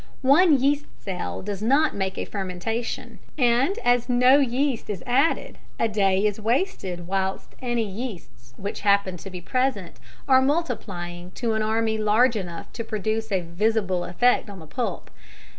One yeast cell does not make a fermentation, and as no yeast is added a day is wasted whilst any yeasts which happen to be present are multiplying to an army large enough to produce a visible effect on the pulp.